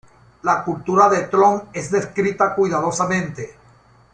La cultura de Tlön es descrita cuidadosamente.